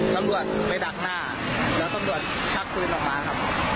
ต้องรวดไปดักหน้าแล้วต้องรวดชักคืนออกมาครับ